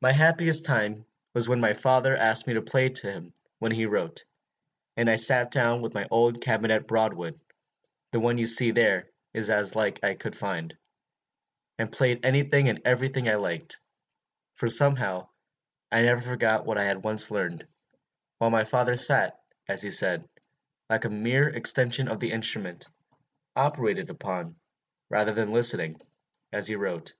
"My happiest time was when my father asked me to play to him while he wrote, and I sat down to my old cabinet Broadwood, the one you see there is as like it as I could find, and played any thing and every thing I liked, for somehow I never forgot what I had once learned, while my father sat, as he said, like a mere extension of the instrument, operated upon, rather than listening, as he wrote.